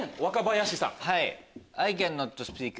若林さん。